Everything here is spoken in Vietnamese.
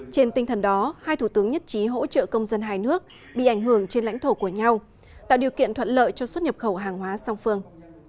trên tinh thần đó hai thủ tướng nhất trí hỗ trợ công dân hai nước bị ảnh hưởng trên lãnh thổ của nhau tạo điều kiện thuận lợi cho xuất nhập khẩu hàng hóa song phương